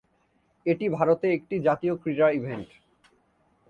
এটি ভারতে একটি জাতীয় ক্রীড়া ইভেন্ট।